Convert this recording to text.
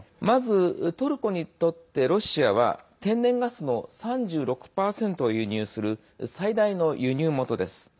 まず、トルコにとってロシアは天然ガスの３６％を輸入する最大の輸入元です。